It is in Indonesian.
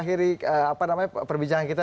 akhir perbicaraan kita